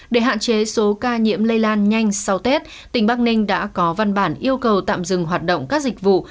để hạn chế số ca nhiễm lây lan nhanh sau tết tỉnh bắc ninh đã có văn bản yêu cầu tạm dừng hoạt động các dịch vụ